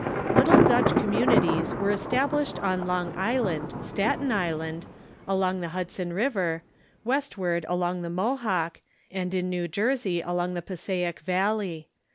Little Dutch communities were established on Long Island, Staten Island, along the Hudson River, westward along the Mohawk, and in New Jersey along the Passaic valley.